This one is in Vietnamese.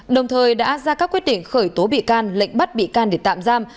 đồng thời đã ra các quyết định khởi tố bị can lệnh bắt bị can để tạm giam